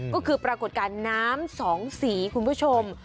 ก็คือปรากฏการณ์น้ำสองสีคุณผู้ชม